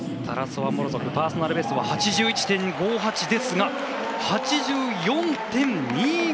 タラソワ、モロゾフパーソナルベストは８１．５８ですが８４．２５！